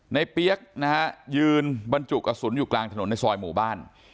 เปี๊ยกนะฮะยืนบรรจุกระสุนอยู่กลางถนนในซอยหมู่บ้าน